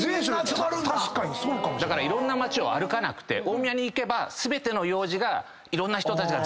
だからいろんな街を歩かなくて大宮に行けば全ての用事がいろんな人たちが全部済んじゃう。